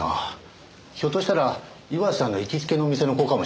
ひょっとしたら岩瀬さんの行きつけのお店の子かもしれませんね。